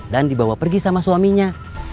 dan dibawa pergi sama suaminya